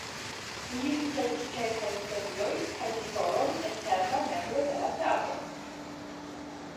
Li ricevis kelkajn premiojn kaj titolon "eterna membro de la teatro".